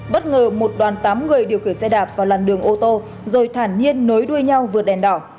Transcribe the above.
bất ngờ một đoàn tám người điều khiển xe đạp vào làn đường ô tô rồi thản nhiên nối đuôi nhau vượt đèn đỏ